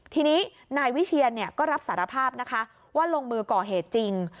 ทีนี้นายวิเชียนก็รับสารภาพนะคะว่าลงมือก่อเหตุจริง